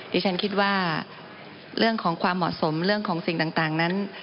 ดิฉันคิดว่าเรื่องของความเหมาะสมเรื่องของสิ่งต่างนั้น